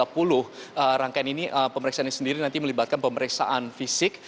pukul dua belas tiga puluh rangkaian ini pemeriksaannya sendiri nanti melibatkan pemeriksaan fisik